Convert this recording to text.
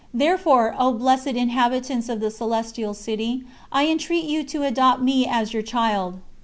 Therefore, O Blessed Inhabitants of the Celestial City, I entreat you to adopt me as your child.